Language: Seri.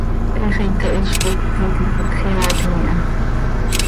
He xiica hizcoi ptiiqui cocjeaatim iha.